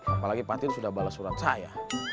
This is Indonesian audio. apalagi panti sudah balas surat saya